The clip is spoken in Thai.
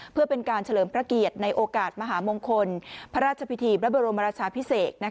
เพื่อเป็นการเฉลิมพระเกียรติในโอกาสมหามงคลพระราชพิธีพระบรมราชาพิเศษ